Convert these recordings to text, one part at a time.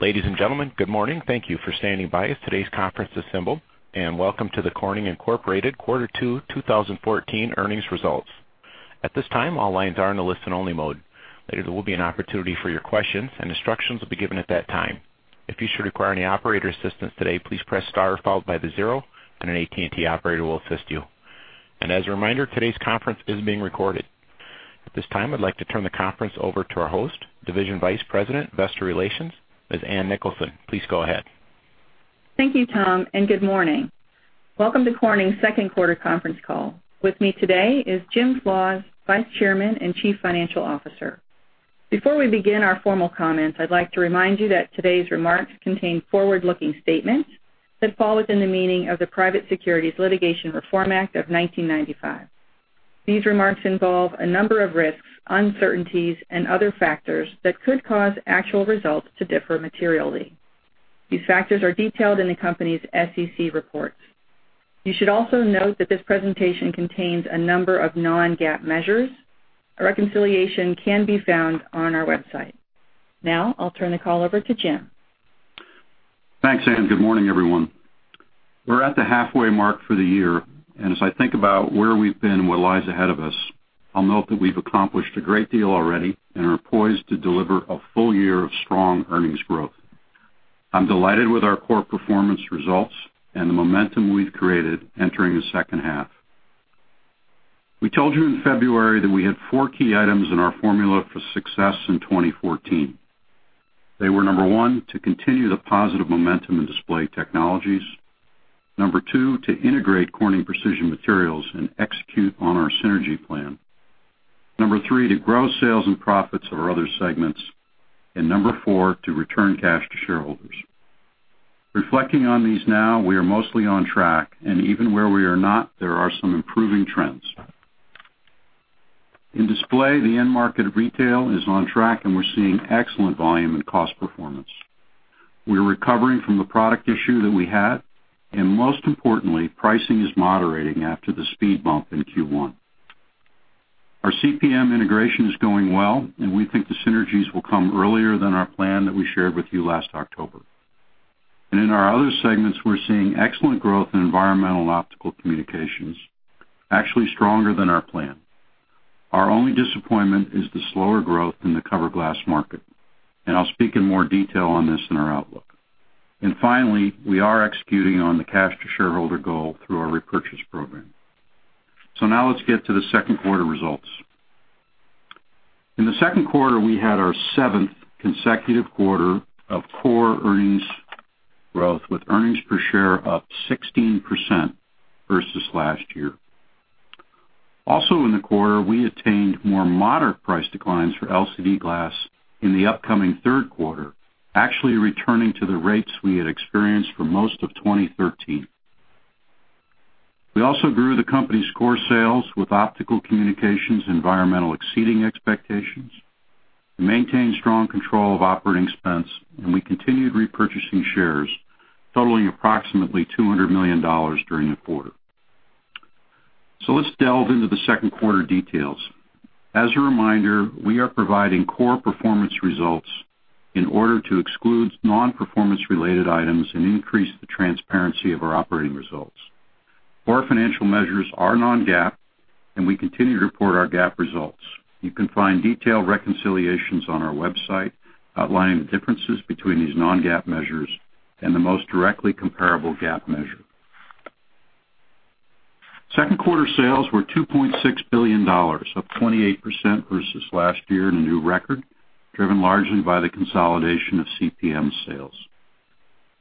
Ladies and gentlemen, good morning. Thank you for standing by as today's conference assembles, welcome to the Corning Incorporated Quarter Two 2014 Earnings Results. At this time, all lines are in a listen-only mode. Later, there will be an opportunity for your questions, instructions will be given at that time. If you should require any operator assistance today, please press star followed by the zero, an AT&T operator will assist you. As a reminder, today's conference is being recorded. At this time, I'd like to turn the conference over to our host, Division Vice President, Investor Relations, Ms. Ann Nicholson. Please go ahead. Thank you, Tom, good morning. Welcome to Corning's second quarter conference call. With me today is Jim Flaws, Vice Chairman and Chief Financial Officer. Before we begin our formal comments, I'd like to remind you that today's remarks contain forward-looking statements that fall within the meaning of the Private Securities Litigation Reform Act of 1995. These remarks involve a number of risks, uncertainties, and other factors that could cause actual results to differ materially. These factors are detailed in the company's SEC reports. You should also note that this presentation contains a number of non-GAAP measures. A reconciliation can be found on our website. I'll turn the call over to Jim. Thanks, Anne. Good morning, everyone. We're at the halfway mark for the year, as I think about where we've been and what lies ahead of us, I'll note that we've accomplished a great deal already, are poised to deliver a full year of strong earnings growth. I'm delighted with our core performance results and the momentum we've created entering the second half. We told you in February that we had four key items in our formula for success in 2014. They were, number one, to continue the positive momentum in Display Technologies. Number two, to integrate Corning Precision Materials and execute on our synergy plan. Number three, to grow sales and profits of our other segments. Number four, to return cash to shareholders. Reflecting on these now, we are mostly on track, even where we are not, there are some improving trends. In Display, the end market retail is on track, we're seeing excellent volume and cost performance. We're recovering from the product issue that we had, most importantly, pricing is moderating after the speed bump in Q1. Our CPM integration is going well, we think the synergies will come earlier than our plan that we shared with you last October. In our other segments, we're seeing excellent growth in Environmental Technologies, Optical Communications, actually stronger than our plan. Our only disappointment is the slower growth in the cover glass market, I'll speak in more detail on this in our outlook. Finally, we are executing on the cash to shareholder goal through our repurchase program. Let's get to the second quarter results. In the second quarter, we had our seventh consecutive quarter of core earnings growth with earnings per share up 16% versus last year. In the quarter, we attained more moderate price declines for LCD glass in the upcoming third quarter, actually returning to the rates we had experienced for most of 2013. We also grew the company's core sales with Optical Communications Environmental Technologies exceeding expectations. We maintained strong control of operating expense, and we continued repurchasing shares, totaling approximately $200 million during the quarter. Let's delve into the second quarter details. As a reminder, we are providing core performance results in order to exclude non-performance related items and increase the transparency of our operating results. Core financial measures are non-GAAP, and we continue to report our GAAP results. You can find detailed reconciliations on our website outlining the differences between these non-GAAP measures and the most directly comparable GAAP measure. Second quarter sales were $2.6 billion, up 28% versus last year and a new record, driven largely by the consolidation of CPM sales.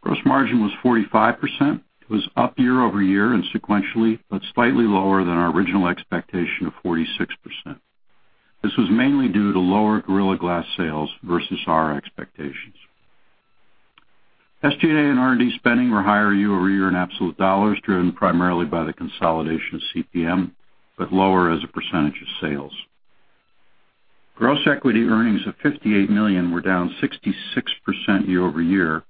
Gross margin was 45%. It was up year-over-year and sequentially, but slightly lower than our original expectation of 46%. This was mainly due to lower Gorilla Glass sales versus our expectations. SG&A and R&D spending were higher year-over-year in absolute dollars, driven primarily by the consolidation of CPM, but lower as a percentage of sales. Gross equity earnings of $58 million were down 66% year-over-year,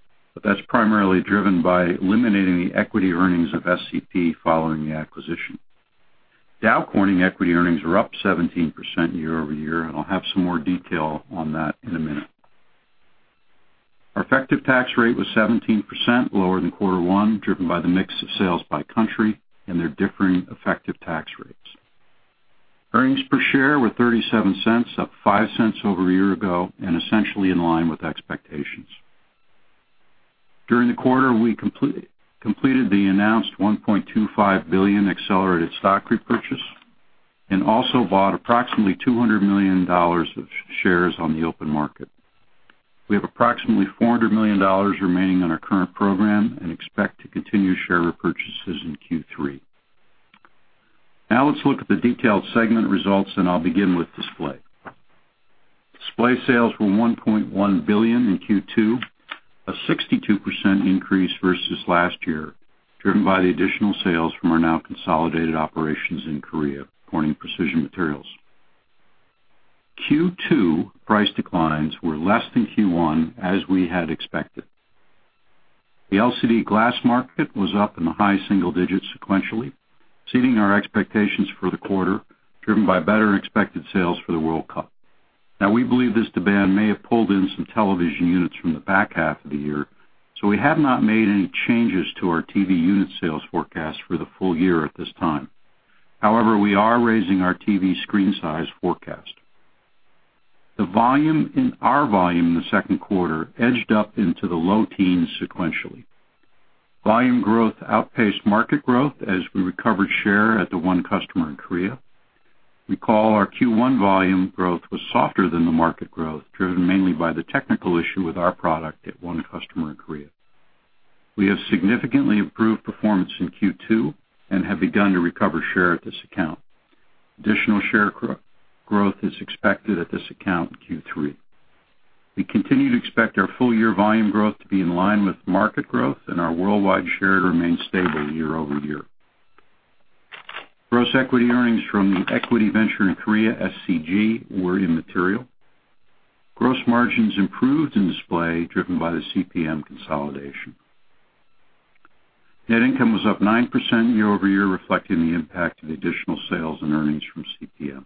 but that's primarily driven by eliminating the equity earnings of SCP following the acquisition. Dow Corning equity earnings were up 17% year-over-year. I'll have some more detail on that in a minute. Our effective tax rate was 17%, lower than quarter one, driven by the mix of sales by country and their differing effective tax rates. Earnings per share were $0.37, up $0.05 over a year ago, essentially in line with expectations. During the quarter, we completed the announced $1.25 billion accelerated stock repurchase and also bought approximately $200 million of shares on the open market. We have approximately $400 million remaining on our current program and expect to continue share repurchases in Q3. Let's look at the detailed segment results. I'll begin with Display. Display sales were $1.1 billion in Q2, a 62% increase versus last year, driven by the additional sales from our now consolidated operations in Korea, Corning Precision Materials. Q2 price declines were less than Q1, as we had expected. The LCD glass market was up in the high single digits sequentially, exceeding our expectations for the quarter, driven by better-than-expected sales for the World Cup. We believe this demand may have pulled in some television units from the back half of the year, so we have not made any changes to our TV unit sales forecast for the full year at this time. However, we are raising our TV screen size forecast. The volume in our second quarter edged up into the low teens sequentially. Volume growth outpaced market growth as we recovered share at the one customer in Korea. Recall, our Q1 volume growth was softer than the market growth, driven mainly by the technical issue with our product at one customer in Korea. We have significantly improved performance in Q2 and have begun to recover share at this account. Additional share growth is expected at this account in Q3. We continue to expect our full-year volume growth to be in line with market growth, and our worldwide share to remain stable year-over-year. Gross equity earnings from the equity venture in Korea, SCP, were immaterial. Gross margins improved in Display Technologies, driven by the CPM consolidation. Net income was up 9% year-over-year, reflecting the impact of additional sales and earnings from CPM.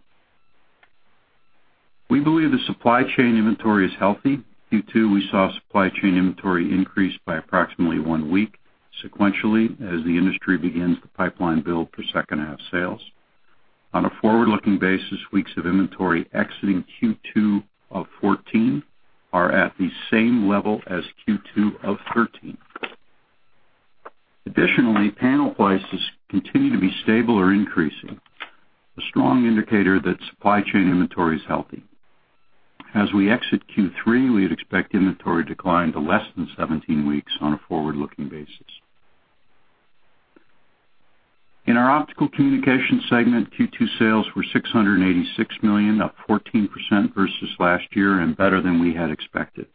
We believe the supply chain inventory is healthy. Q2, we saw supply chain inventory increase by approximately one week sequentially as the industry begins the pipeline build for second-half sales. On a forward-looking basis, weeks of inventory exiting Q2 of 2014 are at the same level as Q2 of 2013. Additionally, panel prices continue to be stable or increasing, a strong indicator that supply chain inventory is healthy. As we exit Q3, we'd expect inventory to decline to less than 17 weeks on a forward-looking basis. In our Optical Communications segment, Q2 sales were $686 million, up 14% versus last year, and better than we had expected.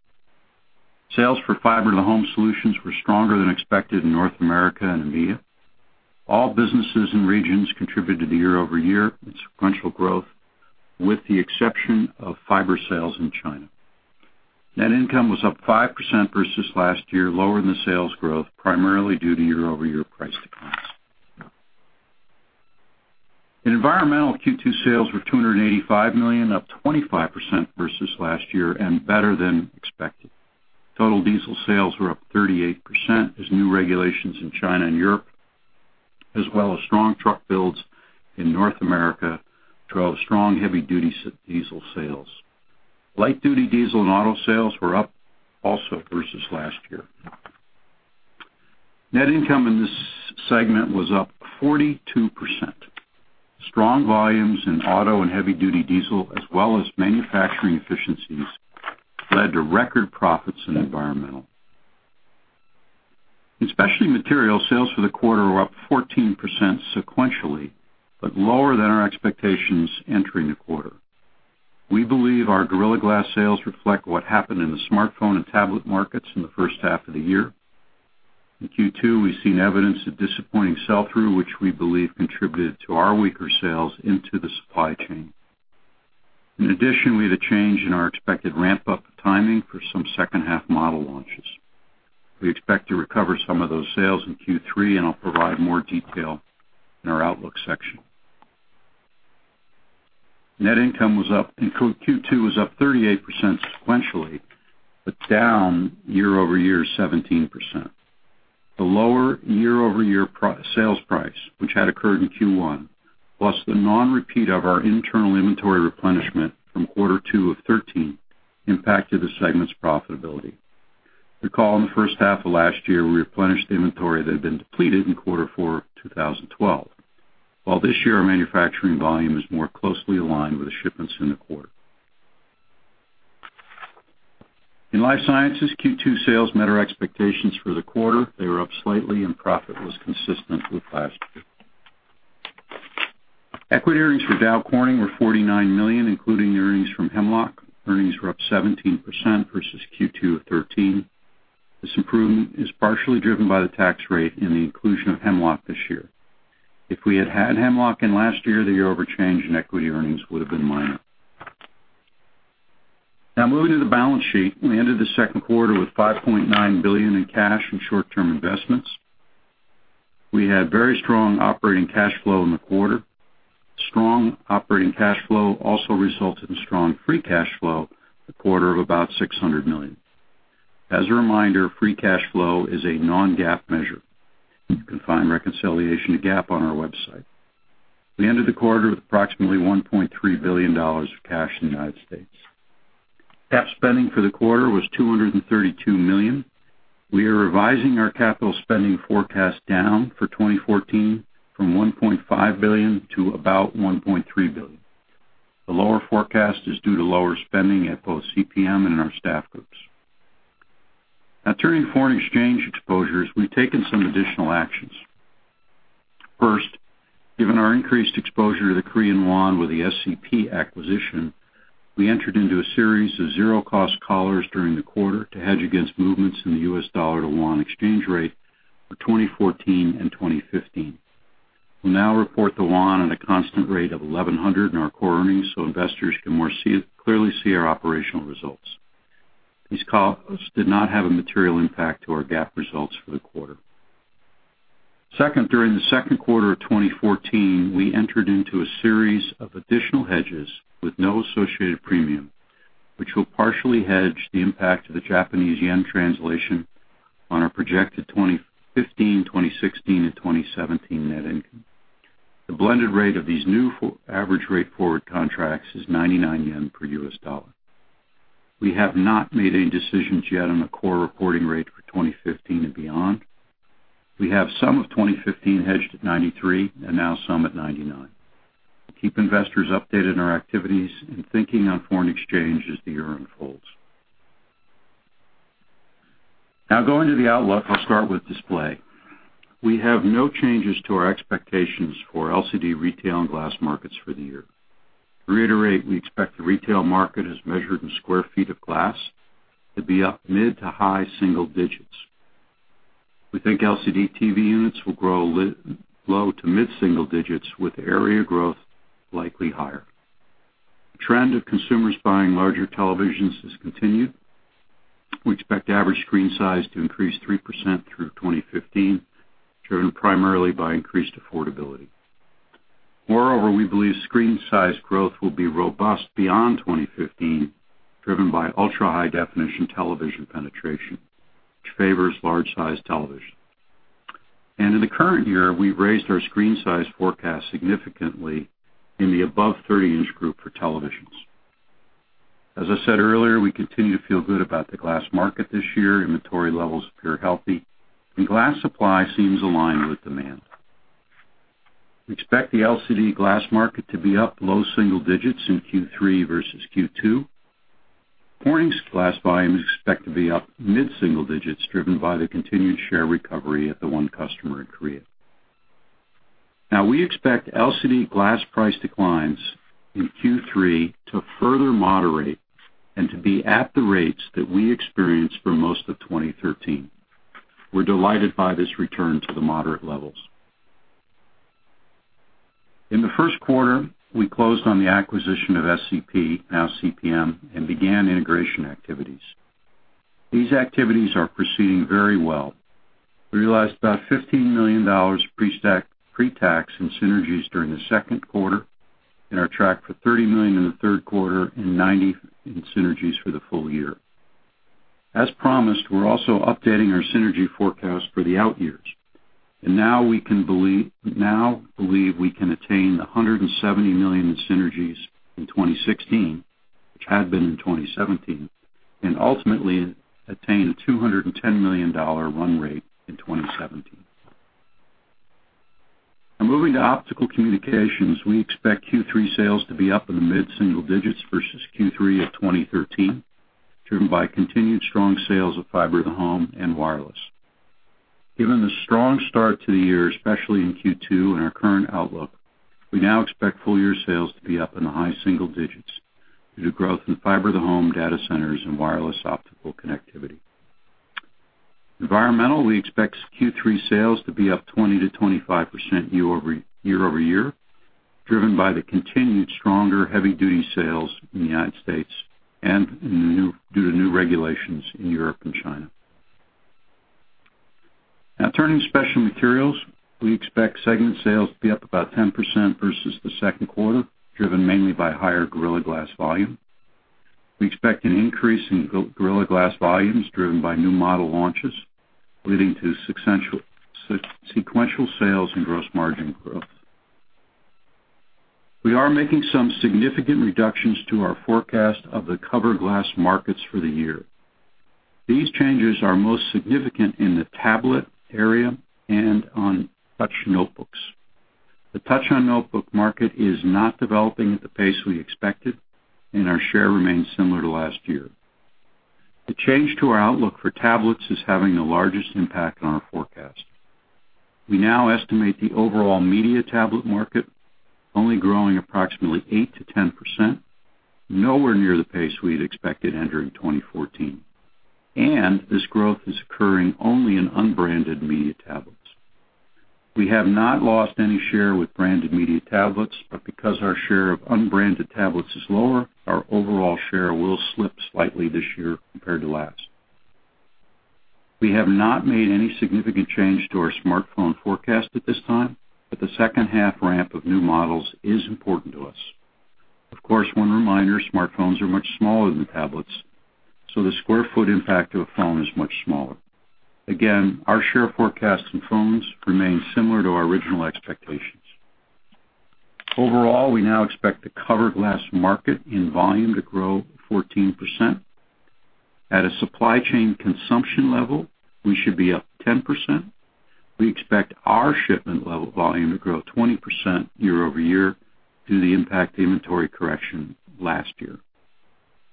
Sales for fiber to the home solutions were stronger than expected in North America and EMEA. All businesses and regions contributed to the year-over-year and sequential growth, with the exception of fiber sales in China. Net income was up 5% versus last year, lower than sales growth, primarily due to year-over-year price declines. In Environmental Technologies, Q2 sales were $285 million, up 25% versus last year, and better than expected. Total diesel sales were up 38% as new regulations in China and Europe, as well as strong truck builds in North America, drove strong heavy-duty diesel sales. Light-duty diesel and auto sales were up also versus last year. Net income in this segment was up 42%. Strong volumes in auto and heavy-duty diesel, as well as manufacturing efficiencies, led to record profits in Environmental Technologies. In Specialty Materials, sales for the quarter were up 14% sequentially, but lower than our expectations entering the quarter. We believe our Gorilla Glass sales reflect what happened in the smartphone and tablet markets in the first half of the year. In Q2, we've seen evidence of disappointing sell-through, which we believe contributed to our weaker sales into the supply chain. In addition, we had a change in our expected ramp-up timing for some second-half model launches. We expect to recover some of those sales in Q3, and I'll provide more detail in our outlook section. Net income in Q2 was up 38% sequentially, but down year-over-year 17%. The lower year-over-year sales price, which had occurred in Q1, plus the non-repeat of our internal inventory replenishment from Q2 of 2013 impacted the segment's profitability. Recall, in the first half of last year, we replenished inventory that had been depleted in Q4 of 2012. While this year, our manufacturing volume is more closely aligned with the shipments in the quarter. In Life Sciences, Q2 sales met our expectations for the quarter. They were up slightly, and profit was consistent with last year. Equity earnings for Dow Corning were $49 million, including earnings from Hemlock. Earnings were up 17% versus Q2 of 2013. This improvement is partially driven by the tax rate and the inclusion of Hemlock this year. If we had had Hemlock in last year, the year-over-year change in equity earnings would've been minor. Moving to the balance sheet. We ended the second quarter with $5.9 billion in cash and short-term investments. We had very strong operating cash flow in the quarter. Strong operating cash flow also resulted in strong free cash flow in the quarter of about $600 million. As a reminder, free cash flow is a non-GAAP measure. You can find reconciliation to GAAP on our website. We ended the quarter with approximately $1.3 billion of cash in the United States. Cap spending for the quarter was $232 million. We are revising our capital spending forecast down for 2014 from $1.5 billion to about $1.3 billion. The lower forecast is due to lower spending at both CPM and in our staff groups. Turning to foreign exchange exposures, we've taken some additional actions. First, given our increased exposure to the Korean KRW with the SCP acquisition, we entered into a series of zero-cost collars during the quarter to hedge against movements in the US dollar to KRW exchange rate for 2014 and 2015. We'll now report the KRW at a constant rate of 1,100 in our core earnings so investors can more clearly see our operational results. These costs did not have a material impact to our GAAP results for the quarter. Second, during the second quarter of 2014, we entered into a series of additional hedges with no associated premium, which will partially hedge the impact of the Japanese JPY translation on our projected 2015, 2016, and 2017 net income. The blended rate of these new average rate forward contracts is 99 yen per US dollar. We have not made any decisions yet on the core reporting rate for 2015 and beyond. We have some of 2015 hedged at 93 JPY, and some at 99 JPY. Keep investors updated on our activities and thinking on foreign exchange as the year unfolds. Going to the outlook, I'll start with display. We have no changes to our expectations for LCD retail and glass markets for the year. To reiterate, we expect the retail market, as measured in square feet of glass, to be up mid to high single digits. We think LCD TV units will grow low to mid single digits, with area growth likely higher. The trend of consumers buying larger televisions has continued. We expect average screen size to increase 3% through 2015, driven primarily by increased affordability. We believe screen size growth will be robust beyond 2015, driven by ultra-high-definition television penetration, which favors large-sized television. In the current year, we've raised our screen size forecast significantly in the above 30-inch group for televisions. As I said earlier, we continue to feel good about the glass market this year. Inventory levels appear healthy, and glass supply seems aligned with demand. We expect the LCD glass market to be up low single digits in Q3 versus Q2. Corning's glass volume is expected to be up mid-single digits, driven by the continued share recovery at the one customer in Korea. We expect LCD glass price declines in Q3 to further moderate and to be at the rates that we experienced for most of 2013. We're delighted by this return to the moderate levels. In the first quarter, we closed on the acquisition of SCP, now CPM, and began integration activities. These activities are proceeding very well. We realized about $15 million pre-tax in synergies during the second quarter and are tracked for $30 million in the third quarter and $90 million in synergies for the full year. As promised, we are also updating our synergy forecast for the out years, and now believe we can attain the $170 million in synergies in 2016, which had been in 2017, and ultimately attain a $210 million run rate in 2017. Moving to Optical Communications, we expect Q3 sales to be up in the mid-single digits versus Q3 of 2013, driven by continued strong sales of fiber to the home and wireless. Given the strong start to the year, especially in Q2 and our current outlook, we now expect full-year sales to be up in the high single digits due to growth in fiber to the home data centers and wireless optical connectivity. Environmental Technologies, we expect Q3 sales to be up 20%-25% year-over-year, driven by the continued stronger heavy-duty sales in the United States and due to new regulations in Europe and China. Turning to Specialty Materials, we expect segment sales to be up about 10% versus the second quarter, driven mainly by higher Gorilla Glass volume. We expect an increase in Gorilla Glass volumes driven by new model launches, leading to sequential sales and gross margin growth. We are making some significant reductions to our forecast of the cover glass markets for the year. These changes are most significant in the tablet area and on touch notebooks. The touch on notebook market is not developing at the pace we expected, and our share remains similar to last year. The change to our outlook for tablets is having the largest impact on our forecast. We now estimate the overall media tablet market only growing approximately 8%-10%, nowhere near the pace we expected entering 2014. This growth is occurring only in unbranded media tablets. We have not lost any share with branded media tablets, but because our share of unbranded tablets is lower, our overall share will slip slightly this year compared to last. We have not made any significant change to our smartphone forecast at this time, but the second-half ramp of new models is important to us. Of course, one reminder, smartphones are much smaller than tablets, so the square foot impact of a phone is much smaller. Again, our share forecasts in phones remain similar to our original expectations. Overall, we now expect the covered glass market in volume to grow 14%. At a supply chain consumption level, we should be up 10%. We expect our shipment volume to grow 20% year-over-year due to the impact inventory correction last year.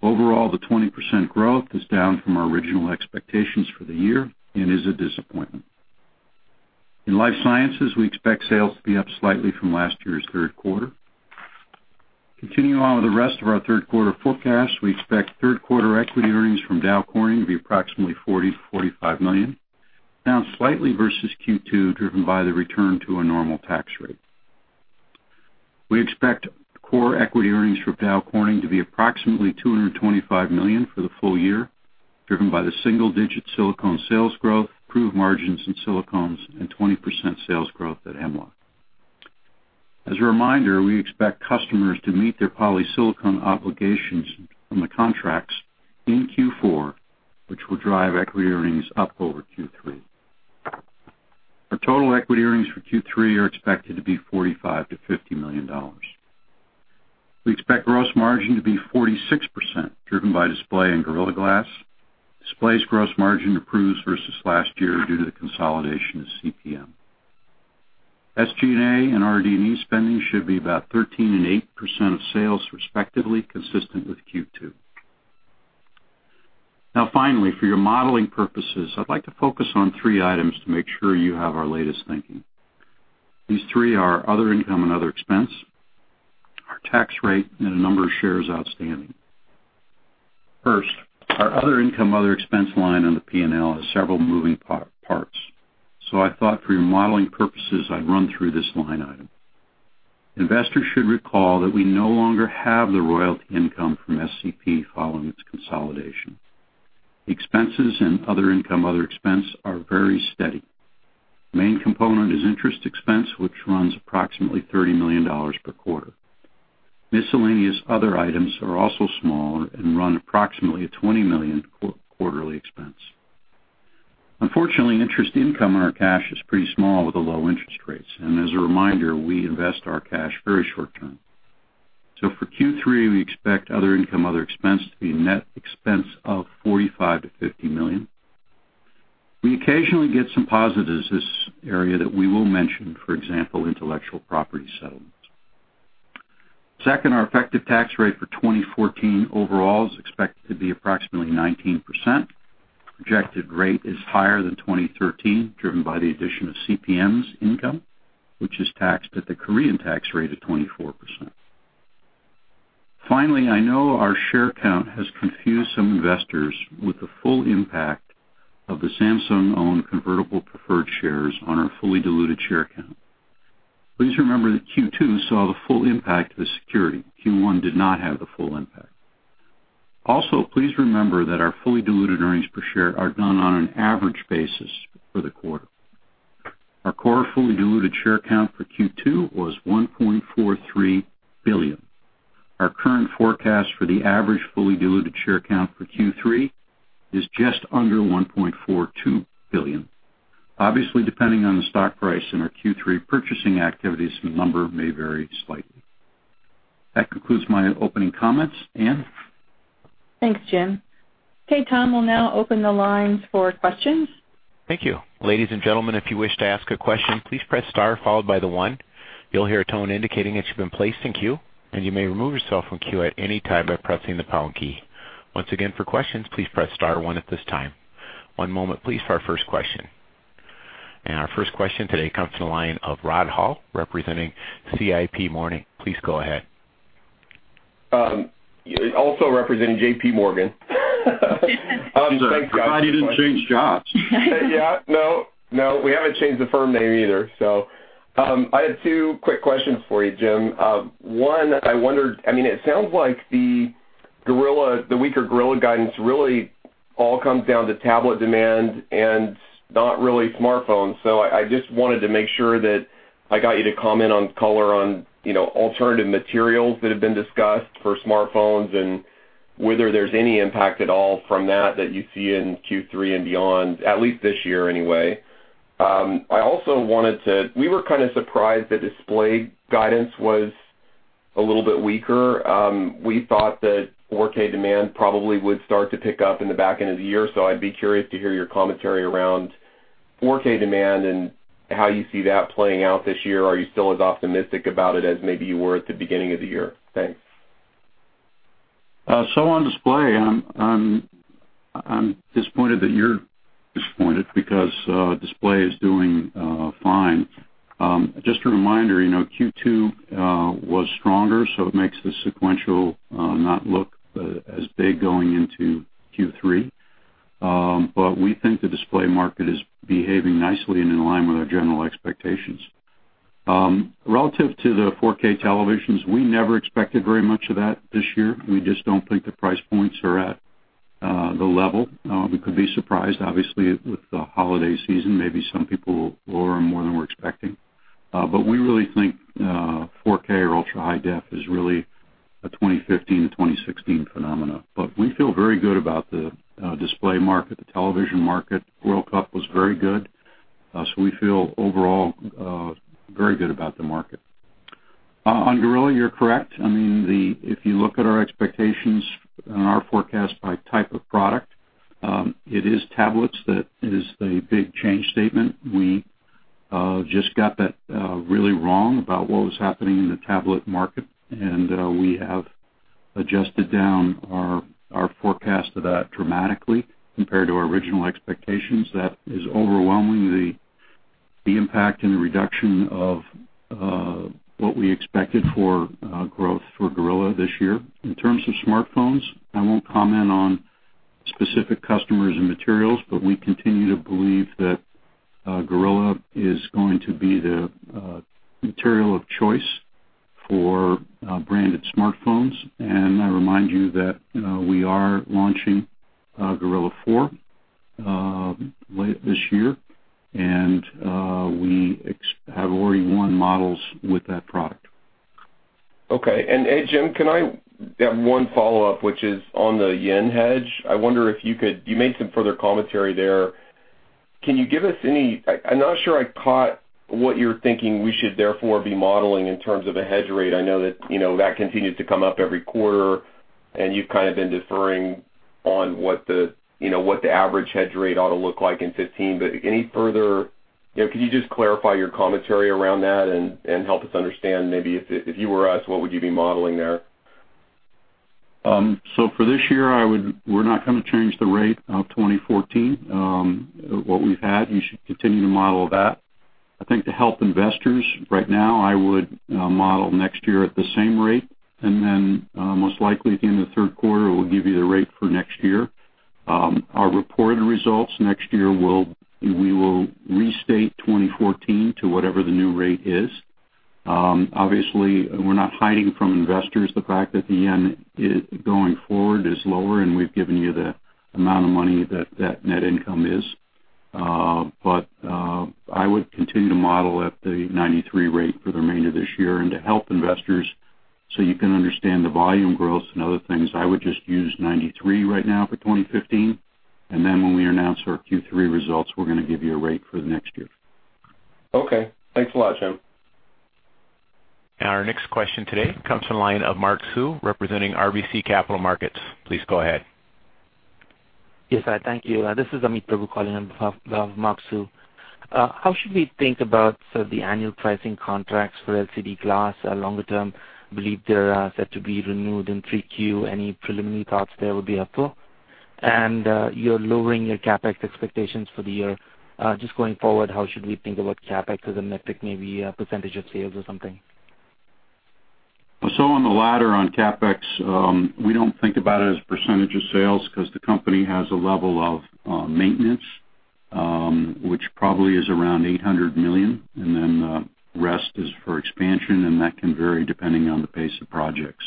Overall, the 20% growth is down from our original expectations for the year and is a disappointment. In Life Sciences, we expect sales to be up slightly from last year's third quarter. Continuing on with the rest of our third quarter forecast, we expect third-quarter equity earnings from Dow Corning to be approximately $40 million-$45 million, down slightly versus Q2, driven by the return to a normal tax rate. We expect core equity earnings for Dow Corning to be approximately $225 million for the full year, driven by the single-digit silicone sales growth, improved margins in silicones, and 20% sales growth at Hemlock. As a reminder, we expect customers to meet their polysilicon obligations from the contracts in Q4, which will drive equity earnings up over Q3. Our total equity earnings for Q3 are expected to be $45 million-$50 million. We expect gross margin to be 46%, driven by Display and Gorilla Glass. Display's gross margin improves versus last year due to the consolidation of CPM. SG&A and RD&E spending should be about 13% and 8% of sales, respectively, consistent with Q2. Finally, for your modeling purposes, I'd like to focus on three items to make sure you have our latest thinking. These three are other income and other expense, our tax rate, and the number of shares outstanding. First, our other income, other expense line on the P&L has several moving parts. I thought for your modeling purposes, I'd run through this line item. Investors should recall that we no longer have the royalty income from SCP following its consolidation. Expenses and other income, other expense are very steady. The main component is interest expense, which runs approximately $30 million per quarter. Miscellaneous other items are also small and run approximately a $20 million quarterly expense. Unfortunately, interest income on our cash is pretty small with the low interest rates. As a reminder, we invest our cash very short-term. For Q3, we expect other income, other expense to be a net expense of $45 million-$50 million. We occasionally get some positives in this area that we will mention. For example, intellectual property settlements. Second, our effective tax rate for 2014 overall is expected to be approximately 19%. Projected rate is higher than 2013, driven by the addition of CPM's income, which is taxed at the Korean tax rate of 24%. Finally, I know our share count has confused some investors with the full impact of the Samsung-owned convertible preferred shares on our fully diluted share count. Please remember that Q2 saw the full impact of the security. Q1 did not have the full impact. Also, please remember that our fully diluted earnings per share are done on an average basis for the quarter. Our core fully diluted share count for Q2 was 1.43 billion. Our current forecast for the average fully diluted share count for Q3 is just under 1.42 billion. Obviously, depending on the stock price and our Q3 purchasing activities, the number may vary slightly. That concludes my opening comments. Ann? Thanks, Jim. Okay, Tom, we'll now open the lines for questions. Thank you. Ladies and gentlemen, if you wish to ask a question, please press star followed by the one. You'll hear a tone indicating that you've been placed in queue, and you may remove yourself from queue at any time by pressing the pound key. Once again, for questions, please press star one at this time. One moment please for our first question. Our first question today comes from the line of Rod Hall representing JPMorgan. Please go ahead. Also representing JPMorgan. Glad you didn't change jobs. No, we haven't changed the firm name either. I had two quick questions for you, Jim. One, it sounds like the weaker Gorilla guidance really all comes down to tablet demand and not really smartphones. I just wanted to make sure that I got you to comment on color on alternative materials that have been discussed for smartphones, and whether there's any impact at all from that you see in Q3 and beyond, at least this year anyway. We were kind of surprised the Display Technologies guidance was a little bit weaker. We thought that 4K demand probably would start to pick up in the back end of the year. I'd be curious to hear your commentary around 4K demand and how you see that playing out this year. Are you still as optimistic about it as maybe you were at the beginning of the year? Thanks. On Display Technologies, I'm disappointed that you're disappointed because Display Technologies is doing fine. Just a reminder, Q2 was stronger, it makes the sequential not look as big going into Q3. We think the Display Technologies market is behaving nicely and in line with our general expectations. Relative to the 4K televisions, we never expected very much of that this year. We just don't think the price points are at the level. We could be surprised, obviously, with the holiday season. Maybe some people will order more than we're expecting. We really think 4K or ultra-high def is really a 2015 to 2016 phenomena. We feel very good about the Display Technologies market, the television market. World Cup was very good. We feel overall very good about the market. On Gorilla, you're correct. If you look at our expectations and our forecast by type of product, it is tablets that is the big change statement. We just got that really wrong about what was happening in the tablet market, and we have adjusted down our forecast of that dramatically compared to our original expectations. That is overwhelmingly the impact and the reduction of what we expected for growth for Gorilla this year. In terms of smartphones, I won't comment on specific customers and materials, but we continue to believe that Gorilla is going to be the material of choice for branded smartphones. I remind you that we are launching Gorilla Four late this year, and we have already won models with that product. Okay. Hey, Jim, can I have one follow-up, which is on the JPY hedge? You made some further commentary there. I'm not sure I caught what you're thinking we should therefore be modeling in terms of a hedge rate. I know that continues to come up every quarter, and you've kind of been deferring on what the average hedge rate ought to look like in 2015. Can you just clarify your commentary around that and help us understand maybe if you were us, what would you be modeling there? For this year, we're not going to change the rate of 2014. What we've had, you should continue to model that. I think to help investors right now, I would model next year at the same rate, and then, most likely at the end of the third quarter, we'll give you the rate for next year. Our reported results next year will, we will restate 2014 to whatever the new rate is. Obviously, we're not hiding from investors the fact that the yen going forward is lower, and we've given you the amount of money that net income is. I would continue to model at the 93 rate for the remainder of this year and to help investors so you can understand the volume growth and other things. I would just use 93 right now for 2015, and then when we announce our Q3 results, we're going to give you a rate for the next year. Okay. Thanks a lot, Jim. Our next question today comes from the line of Mark Hsu representing RBC Capital Markets. Please go ahead. Yes, thank you. This is Amit Prabhu calling in behalf of Mark Hsu. How should we think about sort of the annual pricing contracts for LCD Glass longer term? Believe they're set to be renewed in 3Q. Any preliminary thoughts there would be helpful. You're lowering your CapEx expectations for the year. Going forward, how should we think about CapEx as a metric, maybe a percentage of sales or something? On the latter, on CapEx, we don't think about it as percentage of sales because the company has a level of maintenance, which probably is around $800 million, and then the rest is for expansion, and that can vary depending on the pace of projects.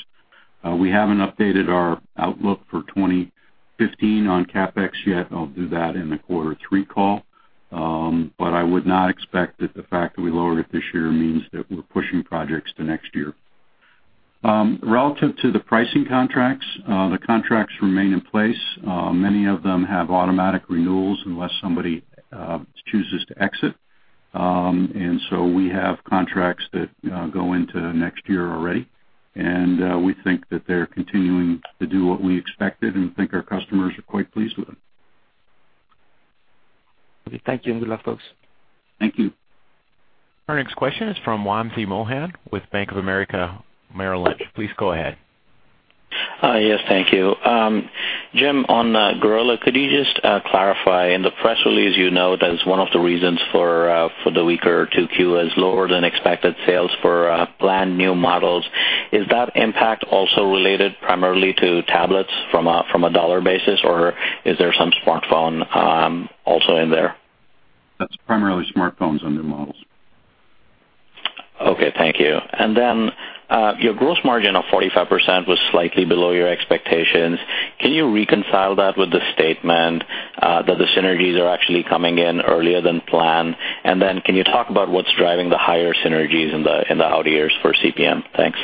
We haven't updated our outlook for 2015 on CapEx yet. I'll do that in the quarter three call. I would not expect that the fact that we lowered it this year means that we're pushing projects to next year. Relative to the pricing contracts, the contracts remain in place. Many of them have automatic renewals unless somebody chooses to exit. We have contracts that go into next year already, and we think that they're continuing to do what we expected and think our customers are quite pleased with. Thank you, and good luck, folks. Thank you. Our next question is from Wamsi Mohan with Bank of America Merrill Lynch. Please go ahead. Yes, thank you. Jim, on Gorilla, could you just clarify, in the press release, you note as one of the reasons for the weaker 2Q as lower than expected sales for planned new models. Is that impact also related primarily to tablets from a dollar basis, or is there some smartphone also in there? That's primarily smartphones on new models. Okay, thank you. Your gross margin of 45% was slightly below your expectations. Can you reconcile that with the statement that the synergies are actually coming in earlier than planned? Can you talk about what's driving the higher synergies in the out years for CPM? Thanks.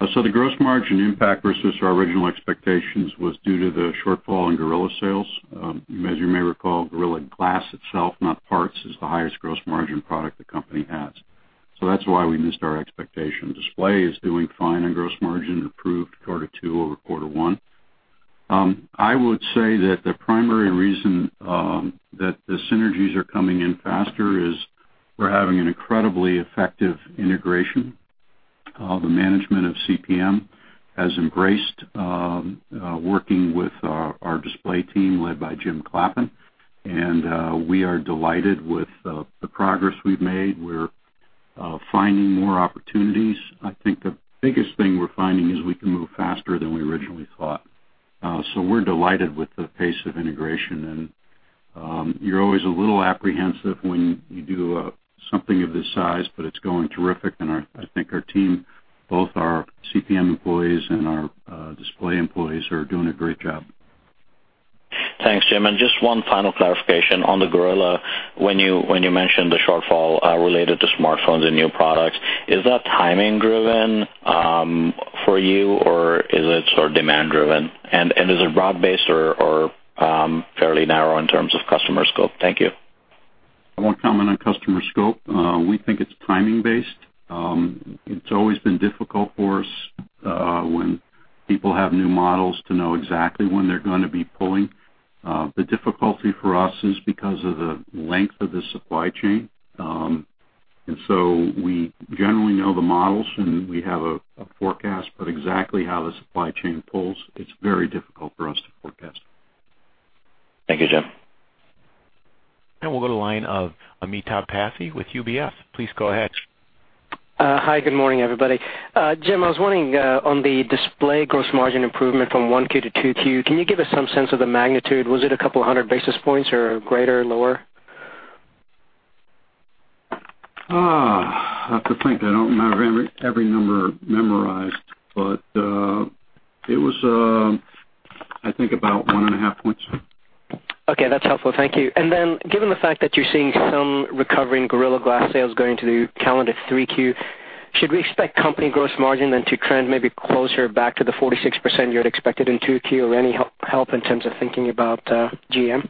The gross margin impact versus our original expectations was due to the shortfall in Gorilla sales. As you may recall, Gorilla Glass itself, not parts, is the highest gross margin product the company has. That's why we missed our expectation. Display is doing fine on gross margin, improved quarter two over quarter one. I would say that the primary reason that the synergies are coming in faster is we're having an incredibly effective integration. The management of CPM has embraced working with our Display team led by James Clappin, and we are delighted with the progress we've made. We're finding more opportunities. I think the biggest thing we're finding is we can move faster than we originally thought. We're delighted with the pace of integration, and you're always a little apprehensive when you do something of this size, but it's going terrific, and I think our team, both our CPM employees and our Display employees, are doing a great job. Thanks, Jim. Just one final clarification on the Gorilla. When you mentioned the shortfall related to smartphones and new products, is that timing driven for you, or is it sort of demand driven? Is it broad based or fairly narrow in terms of customer scope? Thank you. I won't comment on customer scope. We think it's timing based. It's always been difficult for us when people have new models to know exactly when they're going to be pulling. The difficulty for us is because of the length of the supply chain. We generally know the models and we have a forecast, but exactly how the supply chain pulls, it's very difficult for us to forecast. Thank you, Jim. We'll go to line of Amitabh Passi with UBS. Please go ahead. Hi, good morning, everybody. Jim, I was wondering on the Display gross margin improvement from 1Q to 2Q, can you give us some sense of the magnitude? Was it a couple of hundred basis points or greater, lower? I have to think. I don't have every number memorized, but it was I think about 1.5 points. Okay, that's helpful. Thank you. Given the fact that you're seeing some recovery in Gorilla Glass sales going into calendar 3Q, should we expect company gross margin then to trend maybe closer back to the 46% you had expected in 2Q or any help in terms of thinking about GM?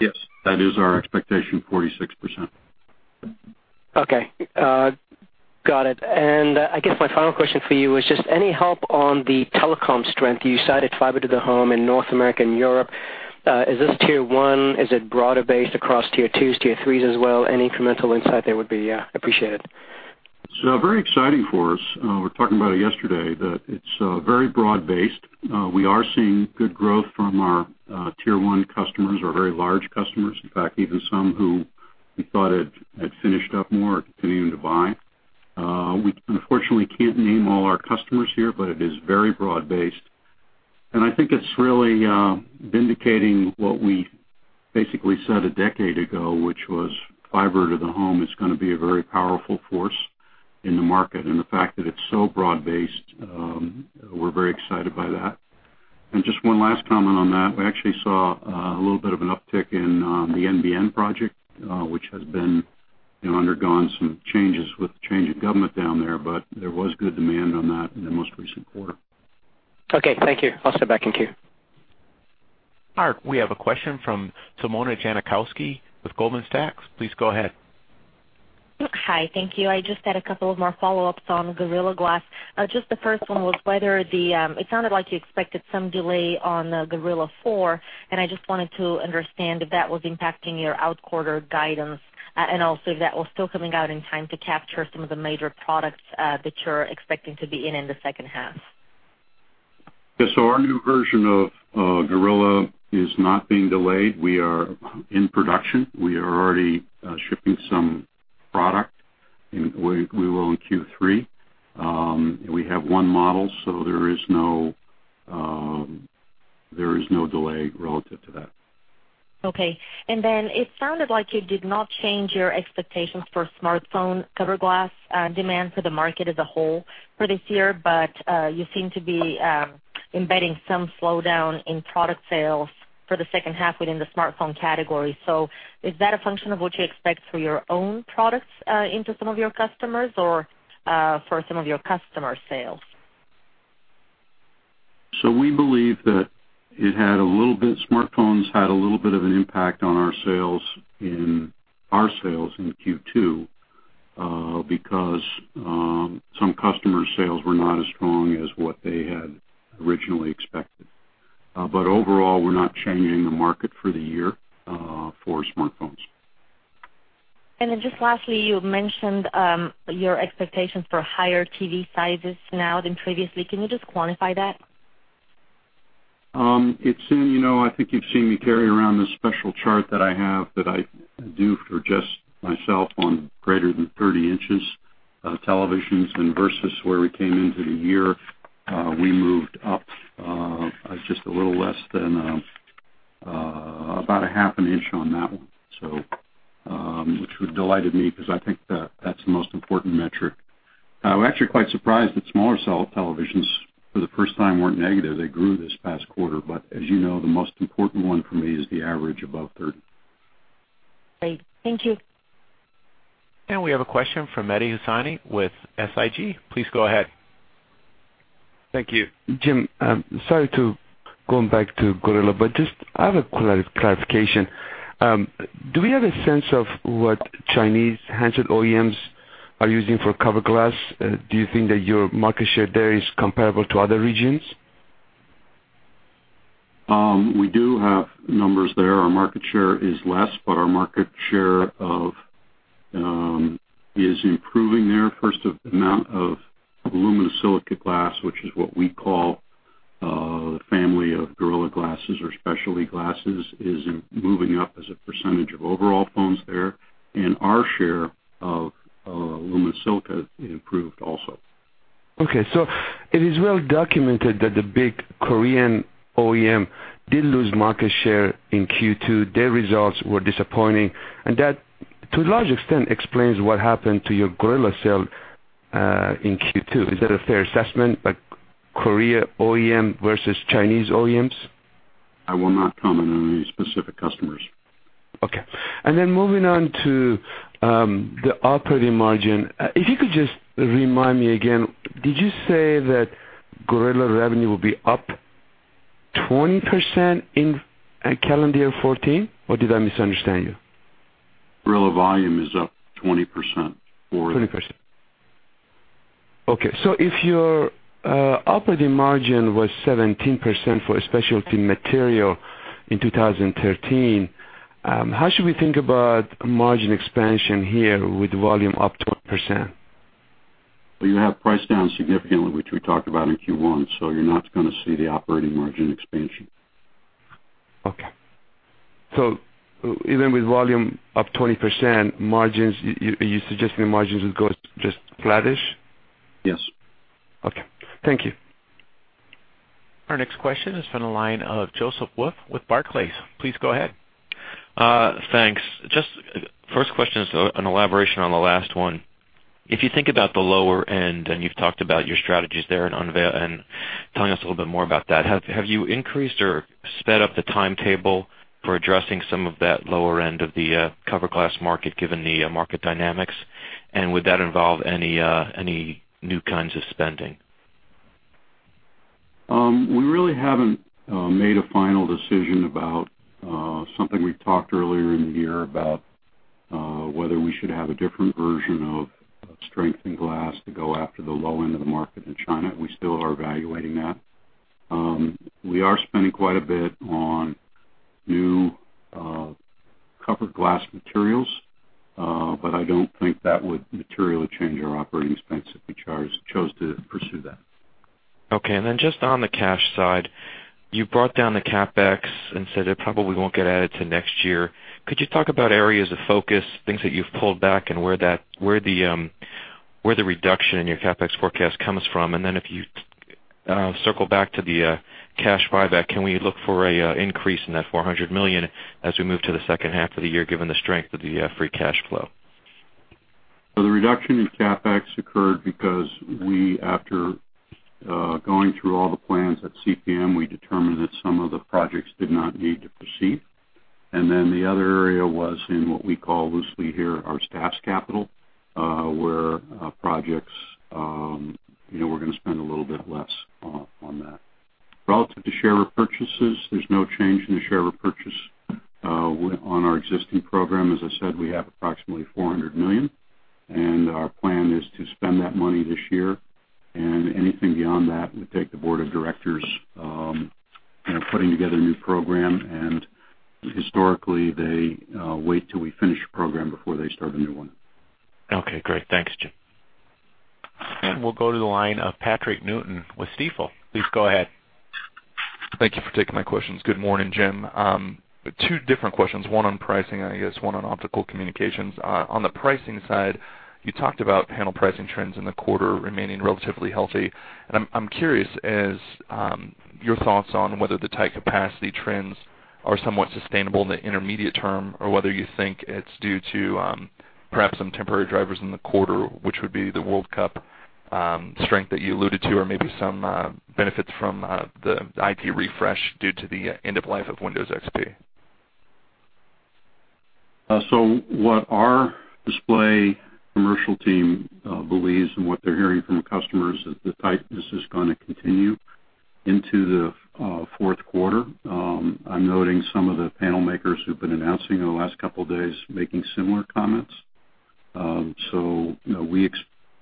Yes. That is our expectation, 46%. Okay. Got it. I guess my final question for you was just any help on the telecom strength. You cited fiber to the home in North America and Europe. Is this tier 1? Is it broader based across tier 2s, tier 3s as well? Any incremental insight there would be appreciated. It's very exciting for us. We were talking about it yesterday, that it's very broad-based. We are seeing good growth from our tier 1 customers, our very large customers. In fact, even some who we thought had finished up more are continuing to buy. We unfortunately can't name all our customers here, but it is very broad based, and I think it's really vindicating what we basically said a decade ago, which was fiber to the home is going to be a very powerful force in the market. The fact that it's so broad based, we're very excited by that. Just one last comment on that. We actually saw a little bit of an uptick in the NBN project, which has undergone some changes with the change in government down there, but there was good demand on that in the most recent quarter. Okay, thank you. I'll step back in queue. All right. We have a question from Simona Jankowski with Goldman Sachs. Please go ahead. Hi, thank you. I just had a couple of more follow-ups on Gorilla Glass. Just the first one was, it sounded like you expected some delay on the Gorilla 4, and I just wanted to understand if that was impacting your out quarter guidance and also if that was still coming out in time to capture some of the major products that you're expecting to be in in the second half. Yes. Our new version of Gorilla is not being delayed. We are in production. We are already shipping some product. We will in Q3. We have one model, so there is no delay relative to that. Okay. It sounded like you did not change your expectations for smartphone cover glass demand for the market as a whole for this year, but you seem to be embedding some slowdown in product sales for the second half within the smartphone category. Is that a function of what you expect for your own products into some of your customers or for some of your customers' sales? We believe that smartphones had a little bit of an impact on our sales in Q2, because some customers' sales were not as strong as what they had originally expected. Overall, we're not changing the market for the year for smartphones. Just lastly, you mentioned your expectations for higher TV sizes now than previously. Can you just quantify that? I think you've seen me carry around this special chart that I have that I do for just myself on greater than 30 inches televisions and versus where we came into the year. We moved up just a little less than about a half an inch on that one, which delighted me because I think that that's the most important metric. I'm actually quite surprised that smaller televisions for the first time weren't negative. They grew this past quarter. As you know, the most important one for me is the average above 30. Great. Thank you. We have a question from Mehdi Hosseini with SIG. Please go ahead. Thank you. Jim, sorry to going back to Gorilla, but just I have a clarification. Do we have a sense of what Chinese handset OEMs are using for cover glass? Do you think that your market share there is comparable to other regions? We do have numbers there. Our market share is less, but our market share is improving there. First, the amount of aluminosilicate glass, which is what we call the family of Gorilla Glass glasses or specialty glasses, is moving up as a percentage of overall phones there. Our share of aluminosilicate improved also. Okay, it is well documented that the big Korean OEM did lose market share in Q2. Their results were disappointing, and that, to a large extent, explains what happened to your Gorilla sale in Q2. Is that a fair assessment, like Korean OEM versus Chinese OEMs? I will not comment on any specific customers. Okay. Moving on to the operating margin. If you could just remind me again, did you say that Gorilla revenue will be up 20% in calendar year 2014, or did I misunderstand you? Gorilla volume is up 20% for the. if your operating margin was 17% for Specialty Materials in 2013, how should we think about margin expansion here with volume up 20%? Well, you have price down significantly, which we talked about in Q1, you're not going to see the operating margin expansion. Okay. Even with volume up 20%, are you suggesting margins would go just flattish? Yes. Okay. Thank you. Our next question is from the line of Joseph Wolf with Barclays. Please go ahead. Thanks. First question is an elaboration on the last one. If you think about the lower end, and you've talked about your strategies there and telling us a little bit more about that, have you increased or sped up the timetable for addressing some of that lower end of the cover glass market, given the market dynamics? Would that involve any new kinds of spending? We really haven't made a final decision about something we talked earlier in the year, about whether we should have a different version of strength in glass to go after the low end of the market in China. We still are evaluating that. We are spending quite a bit on new covered glass materials, but I don't think that would materially change our operating expense if we chose to pursue that. Okay, just on the cash side, you brought down the CapEx and said it probably won't get added till next year. Could you talk about areas of focus, things that you've pulled back, and where the reduction in your CapEx forecast comes from? If you circle back to the cash buyback, can we look for an increase in that $400 million as we move to the second half of the year, given the strength of the free cash flow? The reduction in CapEx occurred because we, after going through all the plans at CPM, we determined that some of the projects did not need to proceed. The other area was in what we call loosely here, our staff's capital, where projects, we're going to spend a little bit less on that. Relative to share repurchases, there's no change in the share repurchase on our existing program. As I said, we have approximately $400 million, and our plan is to spend that money this year. Anything beyond that would take the Board of Directors putting together a new program, and historically, they wait till we finish a program before they start a new one. Great. Thanks, Jim. We'll go to the line of Patrick Newton with Stifel. Please go ahead. Thank you for taking my questions. Good morning, Jim. Two different questions, one on pricing, and I guess one on Optical Communications. On the pricing side, you talked about panel pricing trends in the quarter remaining relatively healthy. I'm curious as your thoughts on whether the tight capacity trends are somewhat sustainable in the intermediate term, or whether you think it's due to perhaps some temporary drivers in the quarter, which would be the World Cup strength that you alluded to, or maybe some benefits from the IT refresh due to the end of life of Windows XP. What our Display Technologies commercial team believes and what they're hearing from customers is the tightness is going to continue into the fourth quarter. I'm noting some of the panel makers who've been announcing in the last couple of days making similar comments.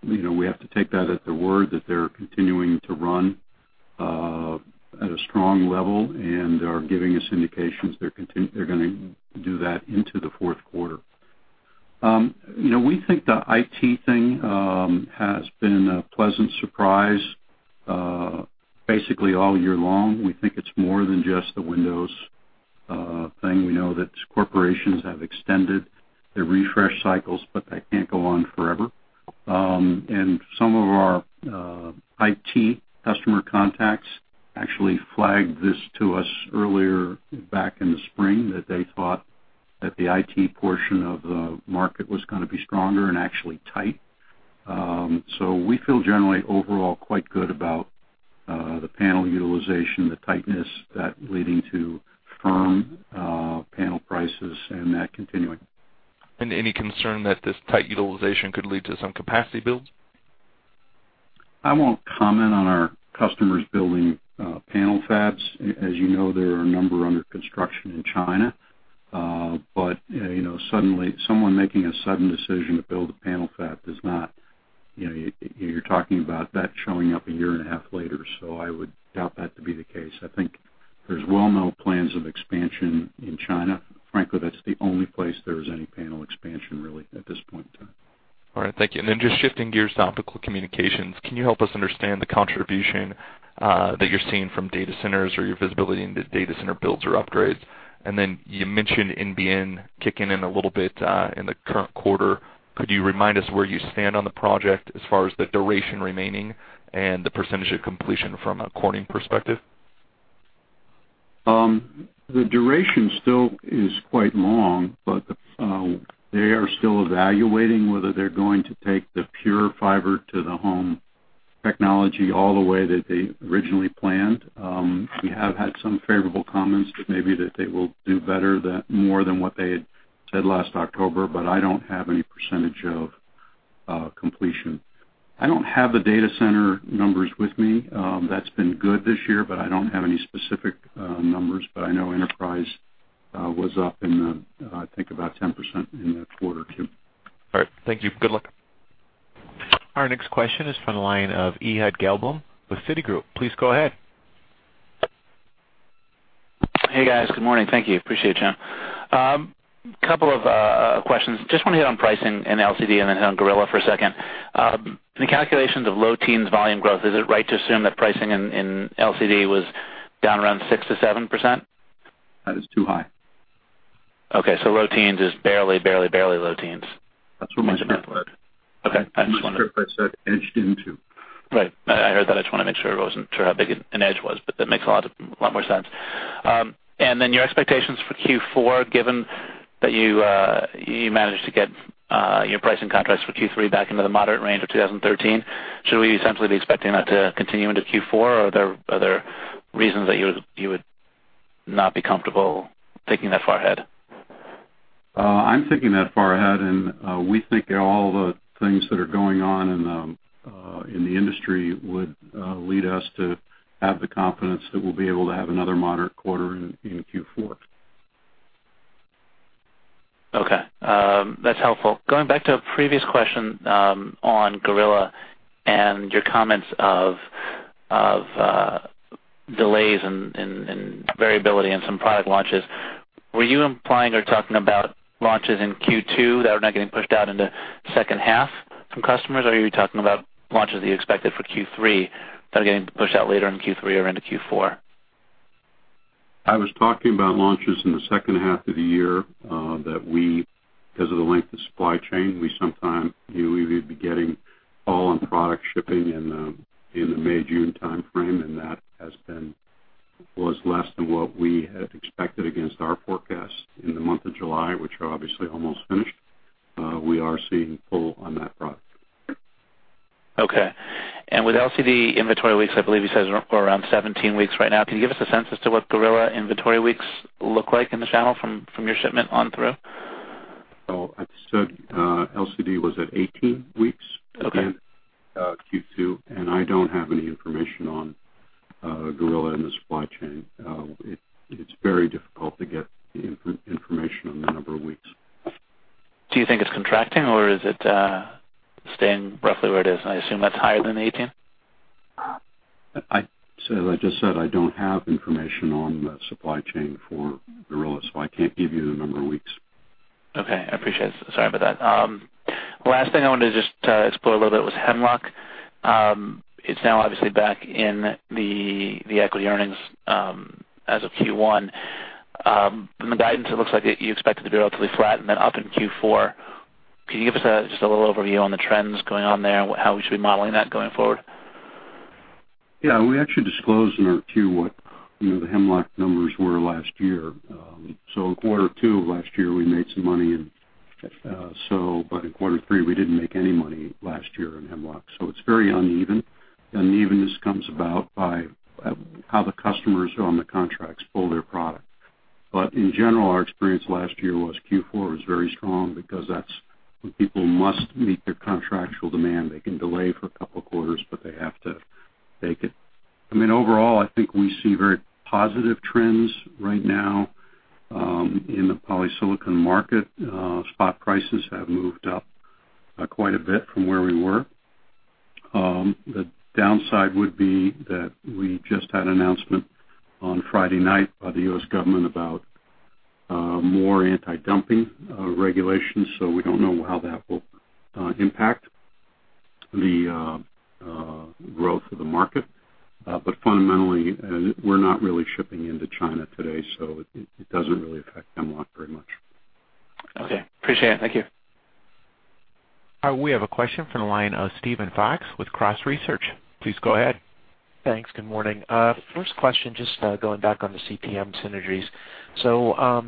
We have to take that at their word, that they're continuing to run at a strong level and are giving us indications they're going to do that into the fourth quarter. We think the IT thing has been a pleasant surprise. Basically, all year long, we think it's more than just the Windows thing. We know that corporations have extended their refresh cycles, but that can't go on forever. Some of our IT customer contacts actually flagged this to us earlier, back in the spring, that they thought that the IT portion of the market was going to be stronger and actually tight. We feel generally overall quite good about the panel utilization, the tightness that leading to firm panel prices and that continuing. Any concern that this tight utilization could lead to some capacity builds? I won't comment on our customers building panel fabs. As you know, there are a number under construction in China. Someone making a sudden decision to build a panel fab, you're talking about that showing up a year and a half later. I would doubt that to be the case. I think there's well-known plans of expansion in China. Frankly, that's the only place there is any panel expansion really at this point in time. All right. Thank you. Just shifting gears to Optical Communications, can you help us understand the contribution that you're seeing from data centers or your visibility into data center builds or upgrades? You mentioned NBN kicking in a little bit in the current quarter. Could you remind us where you stand on the project as far as the duration remaining and the percentage of completion from a Corning perspective? The duration still is quite long. They are still evaluating whether they're going to take the pure fiber to the home technology all the way that they originally planned. We have had some favorable comments, maybe that they will do better than more than what they had said last October. I don't have any percentage of completion. I don't have the data center numbers with me. That's been good this year. I don't have any specific numbers. I know Enterprise was up in, I think about 10% in that quarter too. All right. Thank you. Good luck. Our next question is from the line of Ehud Gelblum with Citigroup. Please go ahead. Hey, guys. Good morning. Thank you. Appreciate it, Jim. Couple of questions. Just want to hit on pricing in LCD and then on Gorilla for a second. In the calculations of low teens volume growth, is it right to assume that pricing in LCD was down around 6%-7%? That is too high. Okay. Low teens is barely low teens. That's where my script led. Okay. I just want to- My script I said edged into. Right. I heard that. I just want to make sure it wasn't sure how big an edge was, but that makes a lot more sense. Then your expectations for Q4, given that you managed to get your pricing contracts for Q3 back into the moderate range of 2013, should we essentially be expecting that to continue into Q4? Are there other reasons that you would not be comfortable thinking that far ahead? I'm thinking that far ahead, we think that all the things that are going on in the industry would lead us to have the confidence that we'll be able to have another moderate quarter in Q4. Okay. That's helpful. Going back to a previous question on Gorilla and your comments of delays and variability in some product launches. Were you implying or talking about launches in Q2 that are now getting pushed out into second half from customers? Are you talking about launches that you expected for Q3 that are getting pushed out later in Q3 or into Q4? I was talking about launches in the second half of the year, that we, because of the length of supply chain, we would be getting all on product shipping in the May, June timeframe, and that was less than what we had expected against our forecast in the month of July, which are obviously almost finished. We are seeing full on that product. Okay. With LCD inventory weeks, I believe you said around 17 weeks right now. Can you give us a sense as to what Gorilla inventory weeks look like in the channel from your shipment on through? Well, I said LCD was at 18 weeks. Okay In Q2, I don't have any information on Gorilla in the supply chain. It's very difficult to get the information on the number of weeks. Do you think it's contracting, or is it staying roughly where it is? I assume that's higher than 18. As I just said, I don't have information on the supply chain for Gorilla, so I can't give you the number of weeks. Okay, I appreciate it. Sorry about that. Last thing I wanted to just explore a little bit was Hemlock. It's now obviously back in the equity earnings as of Q1. From the guidance, it looks like you expect it to be relatively flat and then up in Q4. Can you give us just a little overview on the trends going on there and how we should be modeling that going forward? Yeah. We actually disclosed in our Q1 the Hemlock numbers were last year. In quarter 2 of last year, we made some money, but in quarter 3 we didn't make any money last year on Hemlock. It's very uneven. Unevenness comes about by how the customers on the contracts pull their product. In general, our experience last year was Q4 was very strong because that's when people must meet their contractual demand. They can delay for a couple of quarters, but they have to take it. Overall, I think we see very positive trends right now in the polysilicon market. Spot prices have moved up quite a bit from where we were. The downside would be that we just had an announcement on Friday night by the U.S. government about more anti-dumping regulations. We don't know how that will impact the growth of the market. Fundamentally, we're not really shipping into China today, it doesn't really affect Hemlock very much. Okay. Appreciate it. Thank you. We have a question from the line of Steven Fox with Cross Research. Please go ahead. Thanks. Good morning. First question, just going back on the CPM synergies.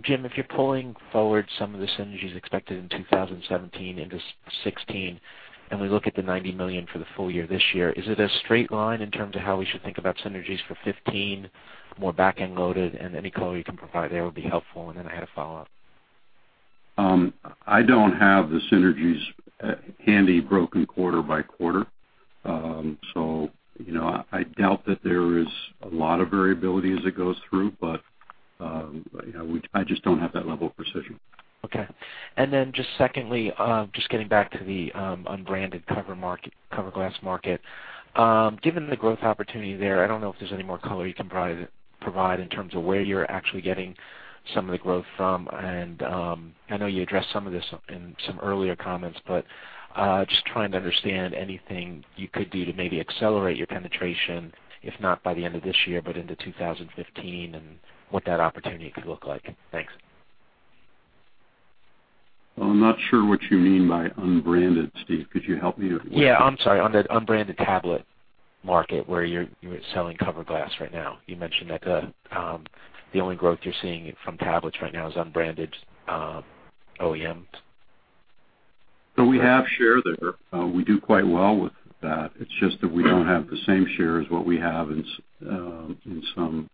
Jim, if you're pulling forward some of the synergies expected in 2017 into 2016, and we look at the $90 million for the full year this year, is it a straight line in terms of how we should think about synergies for 2015, more back-end loaded? Any color you can provide there would be helpful. I had a follow-up. I don't have the synergies handy broken quarter by quarter. I doubt that there is a lot of variability as it goes through. I just don't have that level of precision. Okay. Just secondly, just getting back to the unbranded cover glass market. Given the growth opportunity there, I don't know if there's any more color you can provide in terms of where you're actually getting some of the growth from. I know you addressed some of this in some earlier comments, but just trying to understand anything you could do to maybe accelerate your penetration, if not by the end of this year, but into 2015, and what that opportunity could look like. Thanks. I'm not sure what you mean by unbranded, Steve. Could you help me with- Yeah, I'm sorry. On the unbranded tablet market where you're selling cover glass right now. You mentioned that the only growth you're seeing from tablets right now is unbranded OEMs. We have share there. We do quite well with that. It's just that we don't have the same share as what we have in some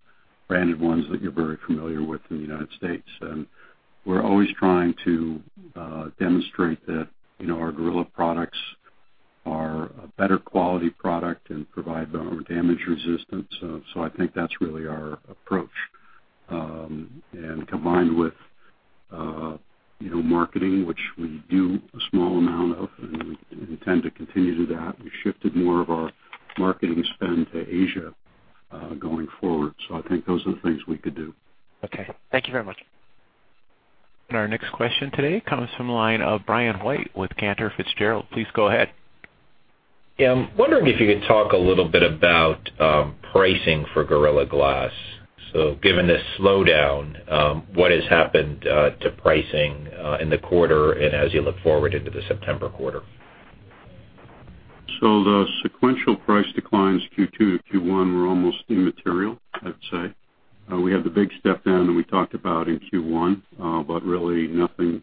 branded ones that you're very familiar with in the U.S. We're always trying to demonstrate that our Gorilla products A better quality product and provide better damage resistance. I think that's really our approach. Combined with marketing, which we do a small amount of, and we intend to continue to do that. We shifted more of our marketing spend to Asia going forward. I think those are the things we could do. Okay. Thank you very much. Our next question today comes from the line of Brian White with Cantor Fitzgerald. Please go ahead. Yeah. I'm wondering if you could talk a little bit about pricing for Gorilla Glass. Given this slowdown, what has happened to pricing in the quarter and as you look forward into the September quarter? The sequential price declines Q2 to Q1 were almost immaterial, I'd say. We had the big step down that we talked about in Q1, but really nothing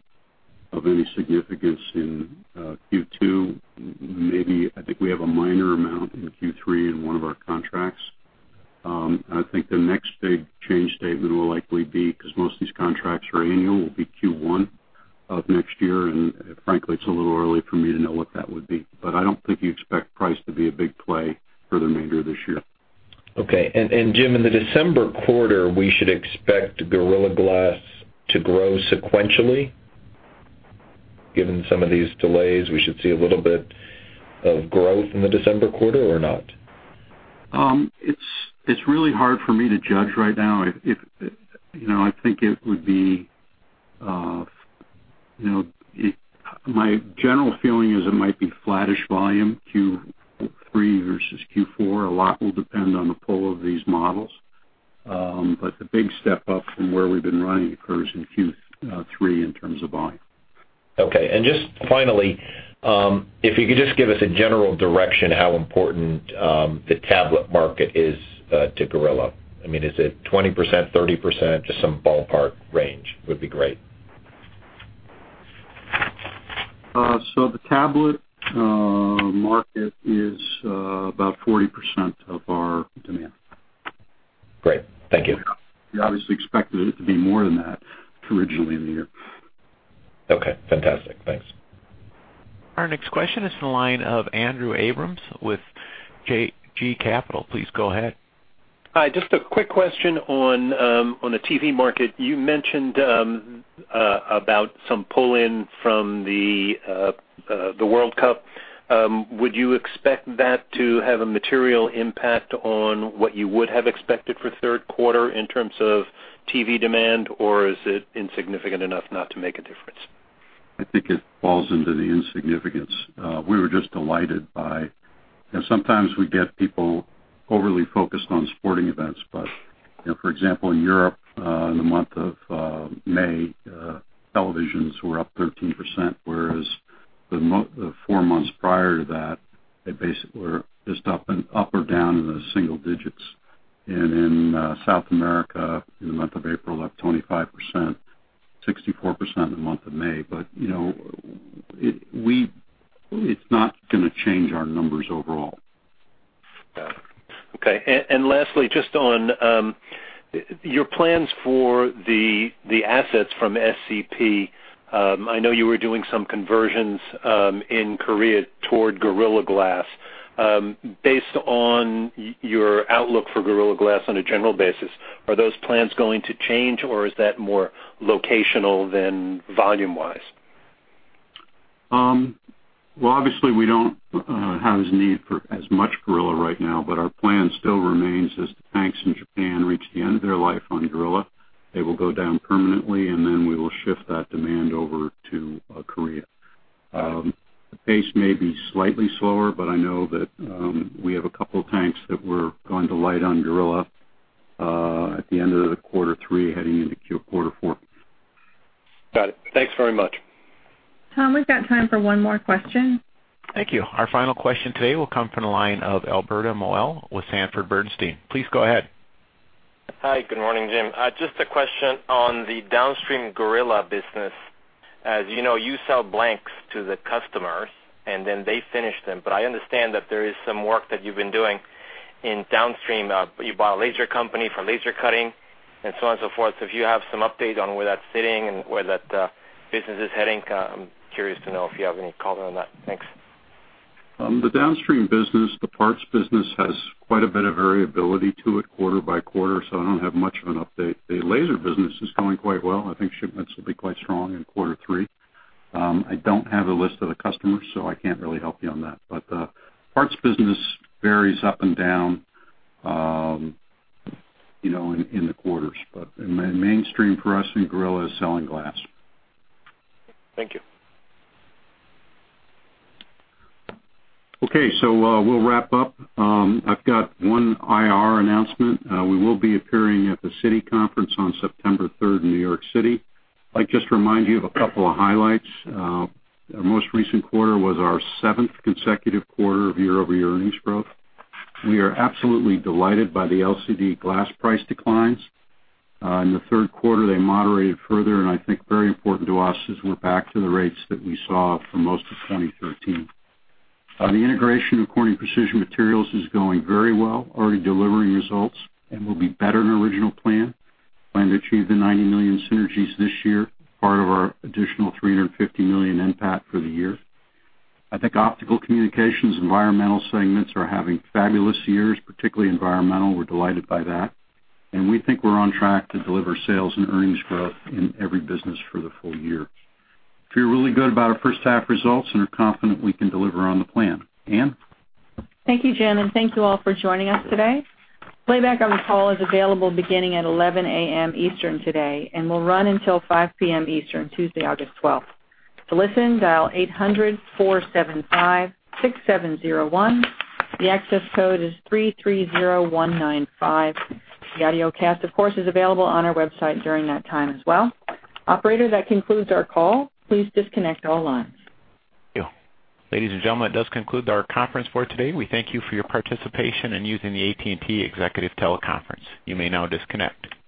of any significance in Q2. Maybe I think we have a minor amount in Q3 in one of our contracts. I think the next big change statement will likely be, because most of these contracts are annual, will be Q1 of next year, and frankly, it's a little early for me to know what that would be. I don't think you expect price to be a big play for the remainder of this year. Okay. Jim, in the December quarter, we should expect Gorilla Glass to grow sequentially? Given some of these delays, we should see a little bit of growth in the December quarter or not? It's really hard for me to judge right now. My general feeling is it might be flattish volume, Q3 versus Q4. A lot will depend on the pull of these models. The big step up from where we've been running occurs in Q3 in terms of volume. Okay. Just finally, if you could just give us a general direction how important the tablet market is to Gorilla. Is it 20%, 30%? Just some ballpark range would be great. The tablet market is about 40% of our demand. Great. Thank you. We obviously expected it to be more than that originally in the year. Okay, fantastic. Thanks. Our next question is in the line of Andrew Abrams with JG Capital. Please go ahead. Hi, just a quick question on the TV market. You mentioned about some pull-in from the World Cup. Would you expect that to have a material impact on what you would have expected for third quarter in terms of TV demand, or is it insignificant enough not to make a difference? I think it falls into the insignificance. We were just delighted by, sometimes we get people overly focused on sporting events, for example, in Europe, in the month of May, televisions were up 13%, whereas the four months prior to that, they basically were just up or down in the single digits. In South America, in the month of April, up 25%, 64% in the month of May. It's not going to change our numbers overall. Got it. Okay. Lastly, just on your plans for the assets from SCP, I know you were doing some conversions in Korea toward Gorilla Glass. Based on your outlook for Gorilla Glass on a general basis, are those plans going to change, or is that more locational than volume-wise? Obviously, we don't have as need for as much Gorilla Glass right now, but our plan still remains as the tanks in Japan reach the end of their life on Gorilla Glass, they will go down permanently, and then we will shift that demand over to Korea. The pace may be slightly slower, but I know that we have a couple of tanks that we're going to light on Gorilla Glass at the end of the quarter three, heading into quarter four. Got it. Thanks very much. Tom, we've got time for one more question. Thank you. Our final question today will come from the line of Alberto Moel with Sanford C. Bernstein. Please go ahead. Hi, good morning, Jim. Just a question on the downstream Gorilla Glass business. As you know, you sell blanks to the customers, and then they finish them. I understand that there is some work that you've been doing in downstream. You bought a laser company for laser cutting and so on and so forth. If you have some update on where that's sitting and where that business is heading, I'm curious to know if you have any comment on that. Thanks. The downstream business, the parts business has quite a bit of variability to it quarter by quarter. I don't have much of an update. The laser business is going quite well. I think shipments will be quite strong in quarter three. I don't have a list of the customers, so I can't really help you on that. The parts business varies up and down in the quarters. Mainstream for us in Gorilla is selling glass. Thank you. Okay, we'll wrap up. I've got one IR announcement. We will be appearing at the Citi conference on September third in New York City. I'd like just to remind you of a couple of highlights. Our most recent quarter was our seventh consecutive quarter of year-over-year earnings growth. We are absolutely delighted by the LCD glass price declines. In the third quarter, they moderated further. I think very important to us is we're back to the rates that we saw for most of 2013. The integration of Corning Precision Materials is going very well, already delivering results. Will be better than original plan. Plan to achieve the $90 million synergies this year, part of our additional $350 million NPAT for the year. I think Optical Communications Environmental segments are having fabulous years, particularly Environmental. We're delighted by that. We think we're on track to deliver sales and earnings growth in every business for the full year. Feel really good about our first half results and are confident we can deliver on the plan. Ann? Thank you, Jim, and thank you all for joining us today. Playback of the call is available beginning at 11:00 A.M. Eastern today and will run until 5:00 P.M. Eastern, Tuesday, August 12th. To listen, dial 800-475-6701. The access code is 330195. The audiocast, of course, is available on our website during that time as well. Operator, that concludes our call. Please disconnect all lines. Thank you. Ladies and gentlemen, that does conclude our conference for today. We thank you for your participation in using the AT&T Executive TeleConference. You may now disconnect.